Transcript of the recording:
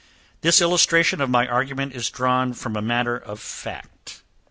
This illustration of my argument is drawn from a matter of fact.